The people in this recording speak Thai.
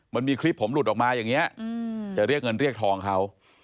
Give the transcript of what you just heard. มันมีคลิปผมหลุดออกมาอย่างนี้จะเรียกเงินเรียกทองเขา